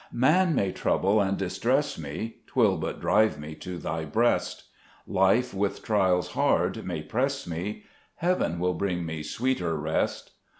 2 Man may trouble and distress me, 'Twill but drive me to Thy breast ; Life with trials hard may press me, Heaven will bring; me sweeter rest : Zbc J&cet Cburcb ftsmiw.